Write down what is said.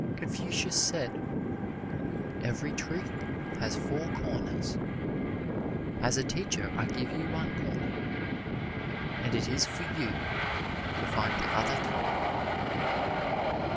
Confucius said, "Every truth has four corners: as a teacher I give you one corner, and it is for you to find the other three."